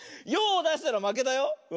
ヨーをだしたらまけだよ。